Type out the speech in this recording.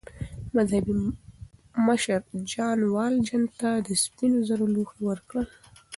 مذهبي مشر ژان والژان ته د سپینو زرو لوښي ورکړل.